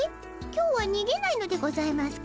今日はにげないのでございますか？